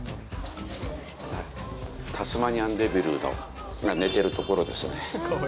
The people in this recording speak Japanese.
タスマニアンデビルが寝てるところですね。